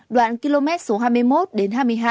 đoạn km số hai mươi một đến hai mươi hai